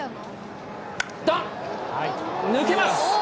抜けます。